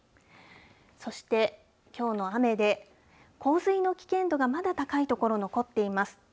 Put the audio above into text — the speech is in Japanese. そして、きょうの雨で、洪水の危険度がまだ高い所、残っています。